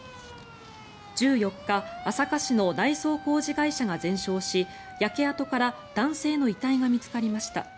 １４日朝霞市の内装工事会社が全焼し焼け跡から男性の遺体が見つかりました。